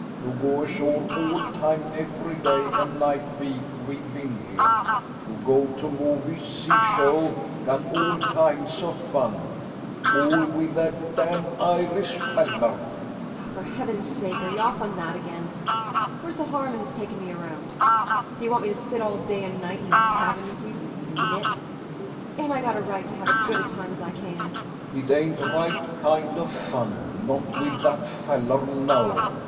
You go ashore all time, every day and night veek ve've been here. You go to movies, see show, gat all kinds fun [His eyes hard with hatred.] All with that damn Irish fallar! ANNA [With weary scorn.] Oh, for heaven's sake, are you off on that again? Where's the harm in his taking me around? D'you want me to sit all day and night in this cabin with you and knit? Ain't I got a right to have as good a time as I can? CHRIS It ain't right kind of fun not with that fallar, no.